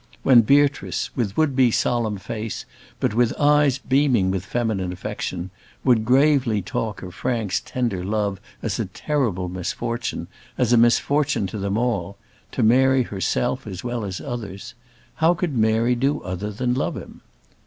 When Beatrice, with would be solemn face, but with eyes beaming with feminine affection, would gravely talk of Frank's tender love as a terrible misfortune, as a misfortune to them all, to Mary herself as well as others, how could Mary do other than love him?